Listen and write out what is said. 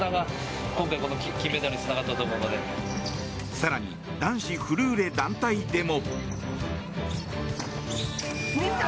更に男子フルーレ団体でも。